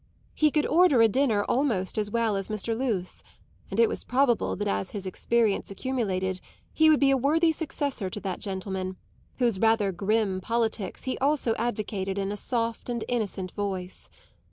He could order a dinner almost as well as Mr. Luce, and it was probable that as his experience accumulated he would be a worthy successor to that gentleman, whose rather grim politics he also advocated in a soft and innocent voice.